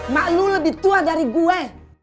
ma lu lebih tua dari gue